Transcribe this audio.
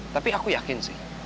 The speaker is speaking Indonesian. tapi aku yakin sih